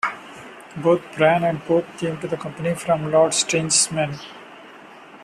Both Bryan and Pope came to the company from Lord Strange's Men.